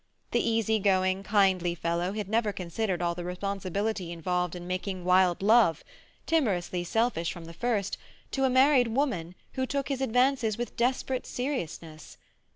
The easy going, kindly fellow had never considered all the responsibility involved in making mild love—timorously selfish from the first—to a married woman who took his advances with desperate seriousness.